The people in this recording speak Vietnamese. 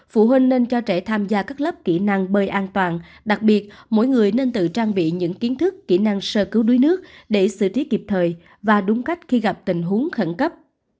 phụ huynh nên cho trẻ tham gia các lớp kỹ năng bơi an toàn đặc biệt mỗi người nên tự trang bị những kiến thức kỹ năng sơ cứu đuối nước để xử trí kịp thời và đúng cách khi gặp tình huống khẩn cấp